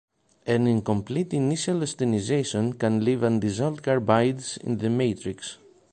An incomplete initial austenitization can leave undissolved carbides in the matrix.